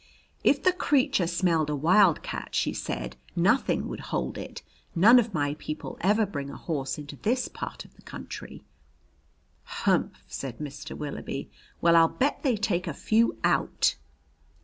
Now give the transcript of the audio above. "If the creature smelled a wildcat," she said, "nothing would hold it. None of my people ever bring a horse into this part of the country." "Humph!" said Mr. Willoughby. "Well, I'll bet they take a few out!"